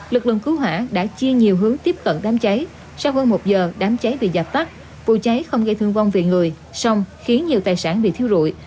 lực lượng cứu hỏa đã chia nhiều hướng tiếp cận đám cháy sau hơn một giờ đám cháy bị dập tắt vụ cháy không gây thương vong về người song khiến nhiều tài sản bị thiêu rụi